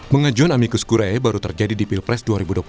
pengajuan amikus kure baru terjadi di pilpres dua ribu dua puluh empat